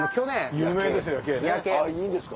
有名ですよ